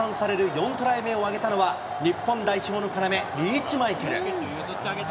４トライ目を挙げたのは、日本代表の要、リーチマイケル。